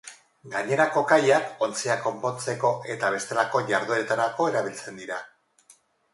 Gainerako kaiak ontziak konpontzeko eta bestelako jardueretarako erabiltzen dira.